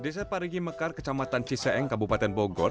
desa parigi mekar kecamatan ciseeng kabupaten bogor